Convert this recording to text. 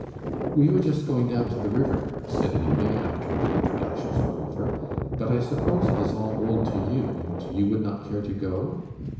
"We were just going down to the river," said Maimie, after the introductions were over, "but I suppose it is all old to you, and you would not care to go?"